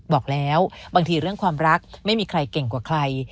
บอกแล้วบางทีเรื่องความรักไม่มีใครเก่งกว่าใคร